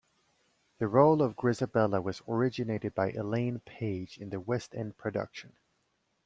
The role of Grizabella was originated by Elaine Paige in the West End production.